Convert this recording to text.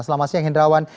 selamat siang hendrawan